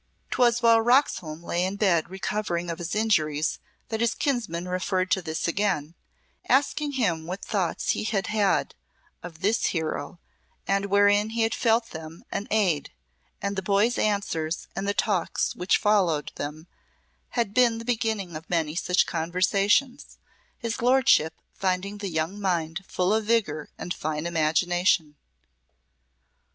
'Twas while Roxholm lay in bed recovering of his injuries that his kinsman referred to this again, asking him what thoughts he had had of this hero and wherein he had felt them an aid, and the boy's answers and the talk which followed them had been the beginning of many such conversations, his Lordship finding the young mind full of vigour and fine imagination.